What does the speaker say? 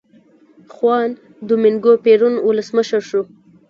خوان دومینګو پېرون ولسمشر شو.